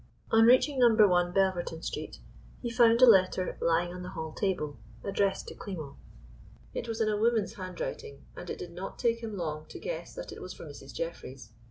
On reaching No. 1, Belverton Street, he found a letter lying on the hall table addressed to Klimo. It was in a woman's handwriting, and it did not take him long to guess that it was from Mrs. Jeffreys.